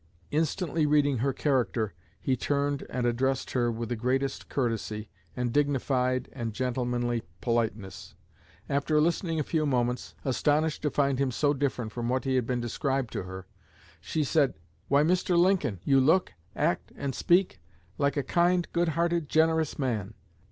Instantly reading her character, he turned and addressed her with the greatest courtesy, and dignified and gentlemanly politeness. After listening a few moments, astonished to find him so different from what he had been described to her, she said: 'Why, Mr. Lincoln, you look, act, and speak like a kind, good hearted, generous man.'